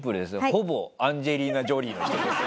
ほぼアンジェリーナ・ジョリーの人です。